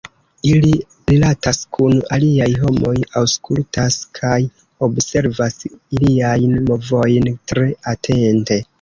Ili rilatas kun aliaj homoj, aŭskultas kaj observas iliajn movojn tre atente.